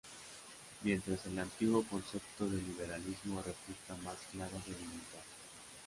Mientras el antiguo concepto de liberalismo resulta más claro de limitar.